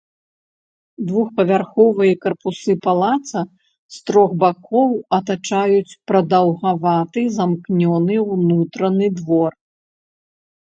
Двухпавярховыя карпусы палаца з трох бакоў атачаюць прадаўгаваты замкнёны ўнутраны двор.